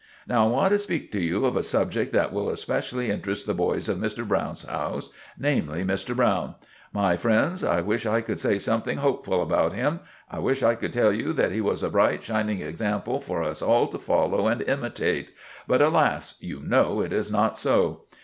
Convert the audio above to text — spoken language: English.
"Now I want to speak to you of a subject that will especially interest the boys of Mr. Browne's house, namely, Mr. Browne. My friends, I wish I could say something hopeful about him; I wish I could tell you that he was a bright, shining example for us all to follow and imitate; but alas! you know it is not so.